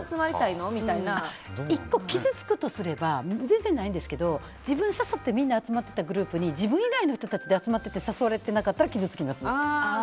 １個、傷つくとしたら全然ないんですけど自分誘ってみんな集まったグループに自分以外の人たちで集まってて誘われてなかったら傷つきます。